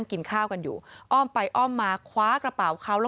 เราไปดูภาพกันหน่อยค่ะ